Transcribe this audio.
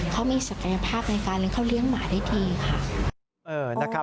เขามีศักยภาพในการเลี้ยงเขาเลี้ยงหมาได้ดีค่ะ